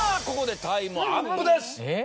ここでタイムアップです！